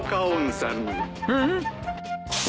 うん？